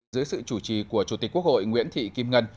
dưới sự chủ trì của chủ tịch quốc hội nguyễn thị kim ngân